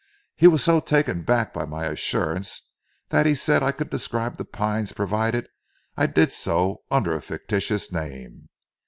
He was so taken back by my assurance that he said I could describe 'The Pines,' provided I did so under a fictitious name.